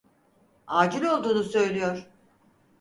Acil olduğunu söylüyor.